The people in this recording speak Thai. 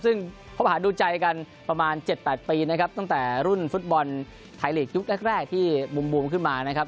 ซึ่งคบหาดูใจกันประมาณ๗๘ปีนะครับตั้งแต่รุ่นฟุตบอลไทยลีกยุคแรกที่บูมขึ้นมานะครับ